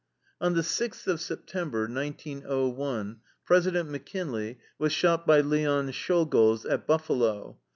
On the sixth of September, 1901, President McKinley was shot by Leon Czolgosz at Buffalo.